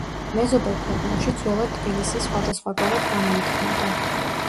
მეზობელ ქვეყნებში ძველად ტფილისი სხვადასხვაგვარად გამოითქმოდა.